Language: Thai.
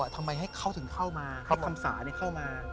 ทำไมให้เขาถึงเข้ามารับคำศาเข้ามา